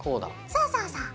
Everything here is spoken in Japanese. そうそうそう。